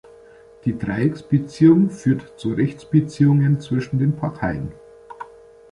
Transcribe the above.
Die Dreiecksbeziehung führt zu Rechtsbeziehungen zwischen den Parteien.